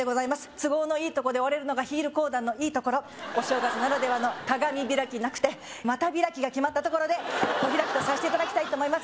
都合のいいとこで終われるのがヒール講談のいいところお正月ならではの鏡開きなくて股開きがきまったところでお開きとさせていただきます